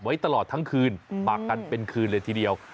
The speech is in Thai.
ไว้ตลอดทั้งคืนหมักกันเป็นคืนเลยทีเดียว